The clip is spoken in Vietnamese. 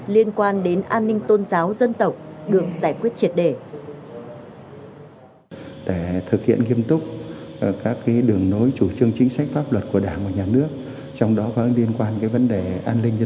liên quan đến an ninh tôn giáo dân tộc được giải quyết triệt đề